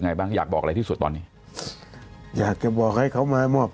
บ้างอยากบอกอะไรที่สุดตอนนี้อยากจะบอกให้เขามามอบ